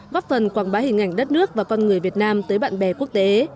góp phần quảng bá hình ảnh đất nước và con người việt nam tới bạn bè quốc tế